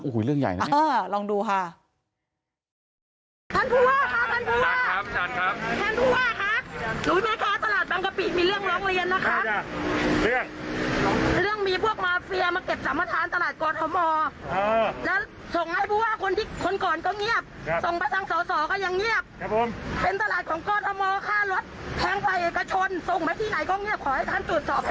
โอ้โฮเรื่องใหญ่นะแม่งโอ้โฮลองดูค่ะโอ้โฮลองดูค่ะ